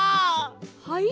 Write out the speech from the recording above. はい？